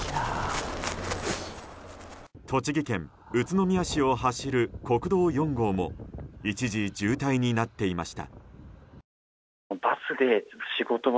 栃木県宇都宮市を走る国道４号も一時渋滞になっていました。